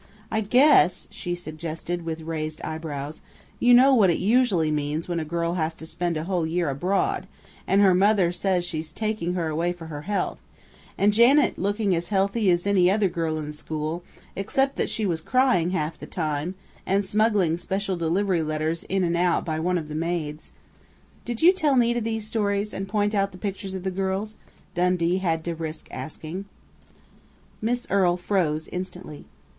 I guess," she suggested, with raised eyebrows, "you know what it usually means when a girl has to spend a whole year abroad, and her mother says she's taking her away for her health and Janet looking as healthy as any other girl in the school, except that she was crying half the time, and smuggling special delivery letters in and out by one of the maids " "Did you tell Nita these stories and point out the pictures of the girls?" Dundee had to risk asking. Miss Earle froze instantly.